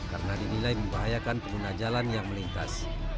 karena dinilai membahayakan pengguna jalan yang melintas